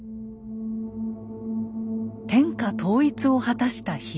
天下統一を果たした秀吉。